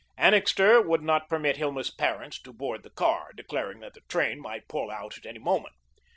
Annixter would not permit Hilma's parents to board the car, declaring that the train might pull out any moment.